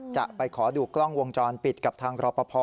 จะไปขอดูกล้องวงจรปิดกับทางรอปภ